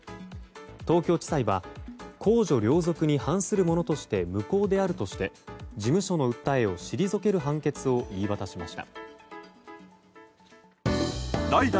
東京地裁は公序良俗に反するものとして無効であるとして事務所の訴えを退ける判決を言い渡しました。